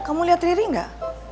kamu liat riri gak